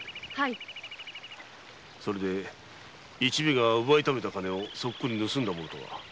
それで一味が奪いためた金をソックリ盗んだ者は？